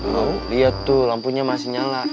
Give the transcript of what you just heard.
loh liat tuh lampunya masih nyala